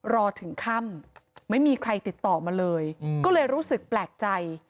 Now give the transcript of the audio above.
รอถึงค่ำไม่มีใครติดต่อมาเลยก็เลยรู้สึกแปลกใจ